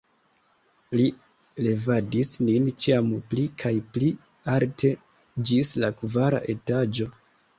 Ni levadis nin ĉiam pli kaj pli alte ĝis la kvara etaĝo.